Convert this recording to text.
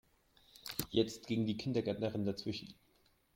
Jetzt ging die Kindergärtnerin dazwischen.